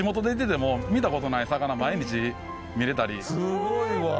すごいわ。